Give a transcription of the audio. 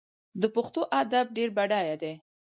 د پښتو ادب ډېر بډایه دی.